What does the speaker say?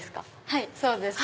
はいそうです。